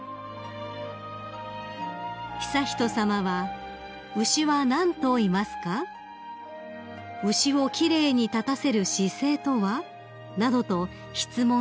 ［悠仁さまは「牛は何頭いますか？」「牛を奇麗に立たせる姿勢とは？」などと質問されていました］